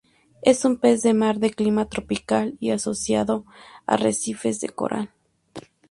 Es un pez de mar, de clima tropical, y asociado a arrecifes de coral.